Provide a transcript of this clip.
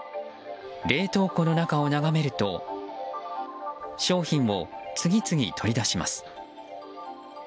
冷凍庫の中を眺めると商品を次々取り出します。